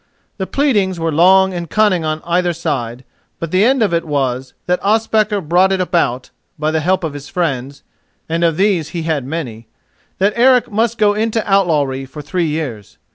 The pleadings were long and cunning on either side; but the end of it was that Ospakar brought it about, by the help of his friends—and of these he had many—that Eric must go into outlawry for three years.